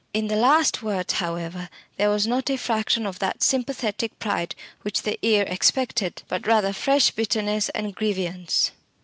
In the last words, however, there was not a fraction of that sympathetic pride which the ear expected, but rather fresh bitterness and grievance.